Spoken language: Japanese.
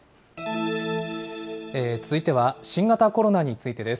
続いては新型コロナについてです。